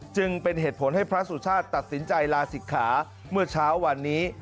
จึงเป็นเหตุผลให้พระสุชาติตัดสินใจลาศิกขาเมื่อเช้าวันนี้